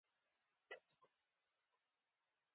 هغه ټوټې شوې ښيښه بيا د پخوا غوندې نه ښکاري.